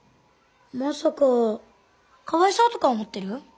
まさかかわいそうとか思ってる？